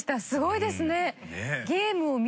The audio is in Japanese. すごいですね。